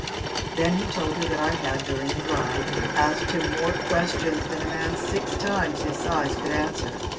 Then he told her that I had, during the ride, asked him more questions than a man six times his size could answer.